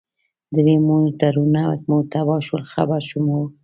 درې موټرونه مو تباه شول، خبر شوم، هو.